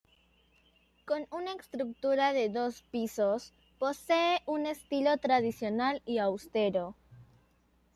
Con una estructura de dos pisos, posee un estilo tradicional y austero.